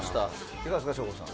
いかがでした、省吾さん。